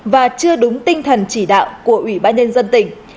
và chưa đúng tinh thần chỉ đạo của ủy ban nhân dân tỉnh